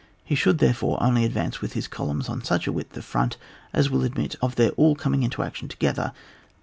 He should therefore only advance with his columns on such a width of front as will admit of their all coming into action together.